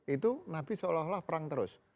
itu nabi seolah olah perang terus